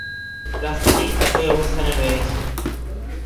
রাস্তাটি একই অবস্থানে রয়ে গেছে।